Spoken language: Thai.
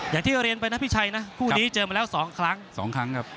อย่างที่เรียนไปนะพี่ชัยนะคู่นี้เจอมาแล้วสองครั้งสองครั้งครับ